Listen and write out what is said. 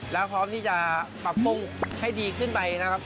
แล้วพร้อมที่จะปรับปรุงให้ดีขึ้นไปนะครับ